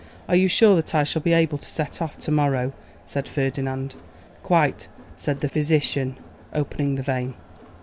'Are you sure that I shall be able to set off tomorrow?' said Ferdinand. 'Quite,' said the physician, opening the vein.